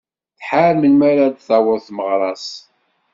Tḥar melmi ara d-taweḍ tmeɣra-s.